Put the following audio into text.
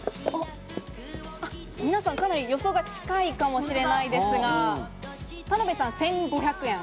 皆さんかなり予想が近いかもしれないですが、田辺さん、１５００円。